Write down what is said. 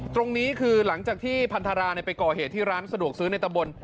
ตรงนี้คือหลังจากที่พันธราไปก่อเหตุที่ร้านสะดวกซื้อในตะบน